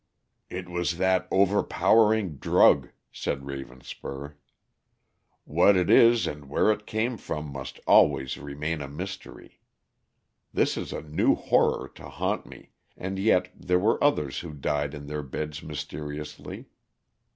"It was that overpowering drug," said Ravenspur. "What it is and where it came from must always remain a mystery. This is a new horror to haunt me and yet there were others who died in their beds mysteriously.